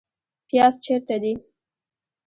پیاز چیرته دي؟